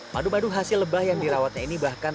madu madu hasil lebah yang dirawatnya ini bahkan